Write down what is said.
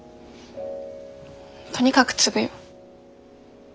とにかく継ぐよ。